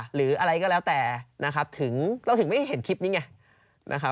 หรืออะไรก็แล้วแต่นะครับถึงเราถึงไม่เห็นคลิปนี้ไงนะครับ